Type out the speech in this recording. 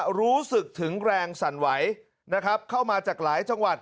รู้สึกถึงแรงสั่นไหวนะครับเข้ามาจากหลายจังหวัด